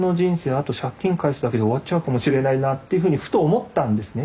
あと借金返すだけで終わっちゃうかもしれないなっていうふうにふと思ったんですね。